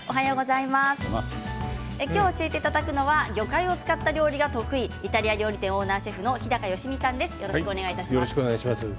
今日、教えていただくのは魚介を使った料理が得意イタリア料理店オーナーシェフの日高良実さんです。